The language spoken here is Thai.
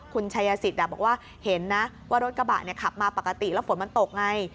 คุณชายสิทธิ์บอกว่าเห็นนะว่ารถกระบะขับมาปกติแล้วฝนมันตกไง